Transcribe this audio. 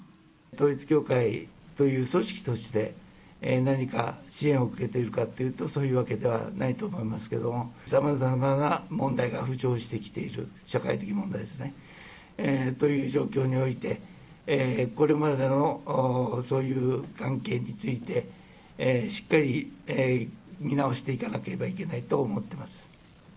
統一教会という組織として、何か支援を受けているかっていうと、そういうわけではないと思いますけれども、さまざまな問題が浮上してきている、社会的問題ですね、という状況において、これまでのそういう関係について、しっかり見直していかなければいけないと思っています。